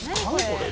これ。